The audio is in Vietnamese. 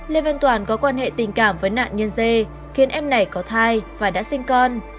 lê văn toàn có quan hệ tình cảm với nạn nhân dê khiến em này có thai và đã sinh con